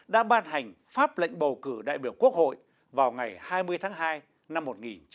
đã ban hành pháp lệnh bầu cử đại biểu quốc hội vào ngày hai mươi tháng hai năm một nghìn chín trăm bảy mươi sáu